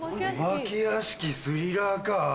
「お化け屋敷スリラーカー」？